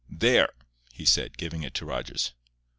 "There," he said, giving it to Rogers.